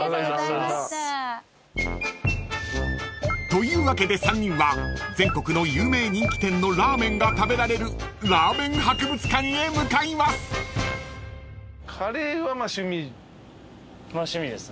［というわけで３人は全国の有名人気店のラーメンが食べられるラーメン博物館へ向かいます］